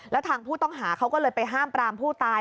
แล้วทางผู้ต้องหาเขาก็เลยไปห้ามปรามผู้ตาย